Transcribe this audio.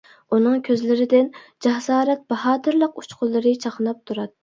ئۇنىڭ كۆزلىرىدىن جاسارەت، باھادىرلىق ئۇچقۇنلىرى چاقناپ تۇراتتى.